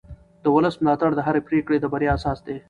د ولس ملاتړ د هرې پرېکړې د بریا اساس دی